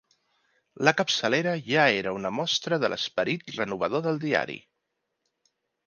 La capçalera ja era una mostra de l’esperit renovador del diari.